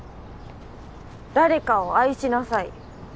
誰かを愛しなさい。